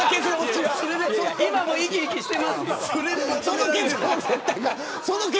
今も生き生きしてますよ。